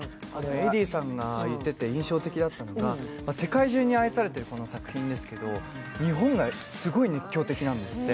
エディさんが言ってて印象的だったのは世界中に愛されてるこの作品ですが、日本がすごい熱狂的なんですって。